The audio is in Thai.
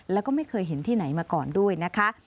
แล้วก็ไม่เคยเห็นที่ไหนมาก่อนด้วยนะคะ